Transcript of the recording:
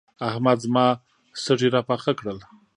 احمد زما سږي راپاخه کړل.